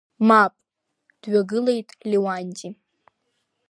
Мап, дҩагылеит Леуанти.